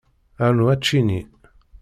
Rnu aččini.